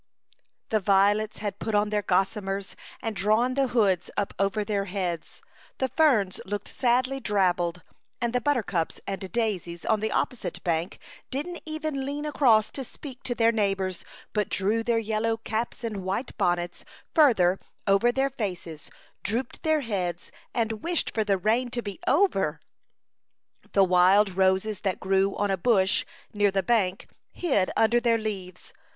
The violets had put on their gos samers and drawn the hoods up over their heads, the ferns looked sadly drabbled, and the buttercups and daisies on the opposite bank, didn't even lean across to speak to their neighbors, but drew their yellow caps and white bonnets further over their faces, drooped their heads and wished for the rain to be over. The wild roses that grew on a bush near the bank hid under their leaves.